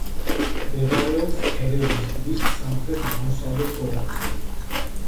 მდებარეობს ერევნის ტბის სამხრეთ-აღმოსავლეთ გორაკზე.